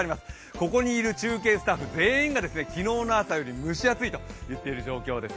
ここにいる中継スタッフ全員が昨日の朝より蒸し暑いと言っています。